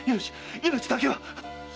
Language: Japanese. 命だけは！〕